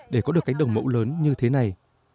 để có được cánh đồng mẫu lớn như thế này